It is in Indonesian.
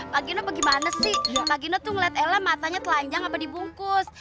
pak gino bagaimana sih pak gino tuh ngeliat ella matanya telanjang atau dibungkus